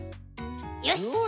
よし。